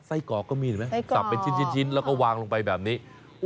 ไส้กอกก็มีเลยแม่จับเป็นชิ้นละก็ว้างลงไปแบบนี้